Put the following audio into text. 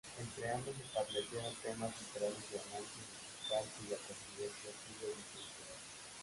Entre ambos establecieron temas centrales de análisis musical cuya trascendencia sigue vigente.